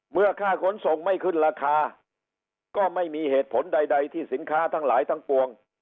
เมื่อค่าขนส่งไม่ขึ้นราคาก็ไม่มีเหตุผลใดที่สินค้าทั้งหลายทั้งปวง